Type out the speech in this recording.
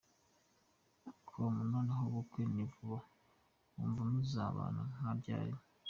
com: Noneho ubukwe ni vuba? Wumva muzabana nka ryari?.